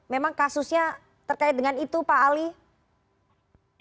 memang kasusnya terkait dengan itu pak ali